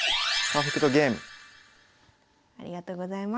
ありがとうございます。